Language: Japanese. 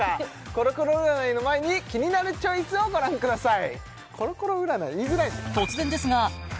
コロコロ占いの前に「キニナルチョイス」をご覧ください